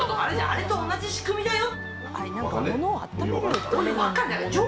あれと同じ仕組みだよ。